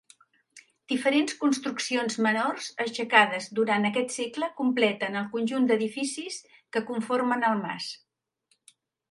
Diferents construccions menors aixecades durant aquest segle completen el conjunt d'edificis que conformen el mas.